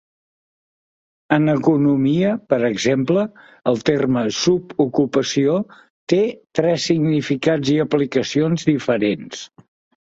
En economia, per exemple, el terme "subocupació" té tres significats i aplicacions diferents.